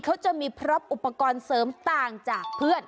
เขาจะมีพร้อมอุปกรณ์เสริมต่างจากเพื่อน